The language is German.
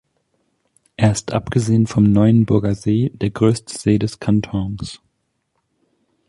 Er ist abgesehen vom Neuenburgersee der grösste See des Kantons.